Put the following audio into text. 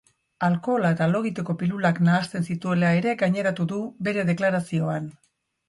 Alkohola eta lo egiteko pilulak nahasten zituela ere gaineratu du, bere deklarazioan.